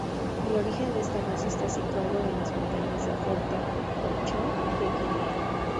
El origen de esta raza está situado en las montañas de Fouta-Djallon de Guinea.